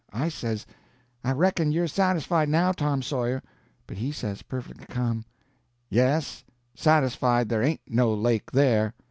I says: "I reckon you're satisfied now, Tom Sawyer." But he says, perfectly ca'm: "Yes, satisfied there ain't no lake there."